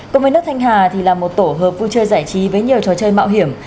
công với nước thanh hà là một tổ hợp vui chơi giải trí với nhiều trò chơi mạo hiểm